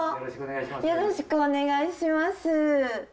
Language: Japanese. よろしくお願いします。